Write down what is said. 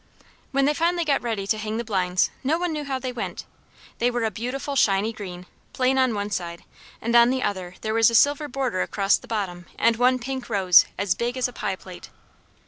When they finally got ready to hang the blinds no one knew how they went. They were a beautiful shiny green, plain on one side, and on the other there was a silver border across the bottom and one pink rose as big as a pie plate.